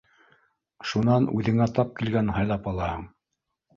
Шунан үҙеңә тап килгәнен һайлап алаһың.